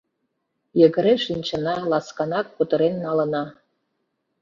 Йыгыре шинчына, ласканак кутырен налына.